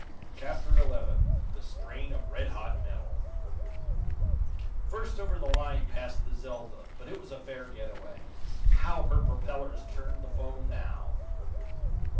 CHAPTER XI THE STRAIN OF RED HOT METAL First over the line passed the "Zelda," but it was a fair get away. How her propellers churned the foam now!